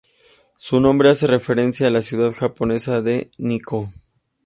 Su nombre hace referencia a la ciudad japonesa de Nikkō.